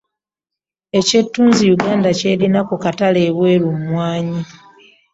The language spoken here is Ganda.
Eky'ettunzi Yuganda ky'erima ku katale ebweru mmwanyi.